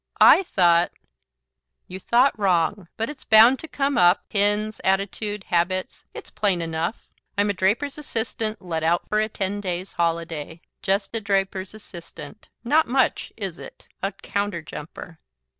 I thought " "You thought wrong. But it's bound to come up. Pins, attitude, habits It's plain enough. "I'm a draper's assistant let out for a ten days holiday. Jest a draper's assistant. Not much, is it? A counter jumper."